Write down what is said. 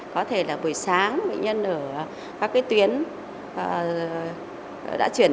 có thể là buổi sáng bệnh nhân ở các cái tuyến đã chuyển